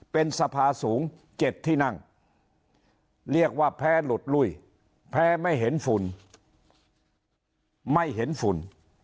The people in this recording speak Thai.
เป็นสภาสูง๗ที่นั่งเรียกว่าแพ้หลุดลุ้ยแพ้ไม่เห็นฝุ่นไม่เห็นฝุ่น